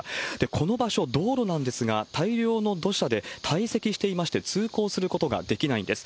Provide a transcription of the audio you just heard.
この場所、道路なんですが、大量の土砂で堆積していまして、通行することができないんです。